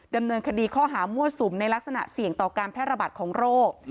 ดำเนินคดีข้อหามั่วสุมในลักษณะเสี่ยงต่อการแพร่ระบาดของโรค